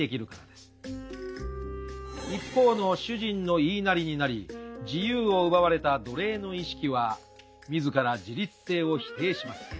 一方の主人の言いなりになり自由を奪われた奴隷の意識は自ら自立性を否定します。